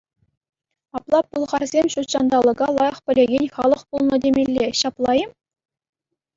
Апла пӑлхарсем ҫутҫанталӑка лайӑх пӗлекен халӑх пулнӑ темелле, ҫапла-и?